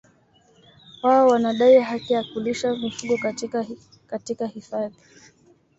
Wao wanadai haki ya kulisha mifugo katika katika hifadhi